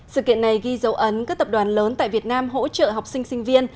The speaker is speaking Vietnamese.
sự kiện này ghi dấu ấn các tập đoàn lớn tại việt nam hỗ trợ học sinh sinh viên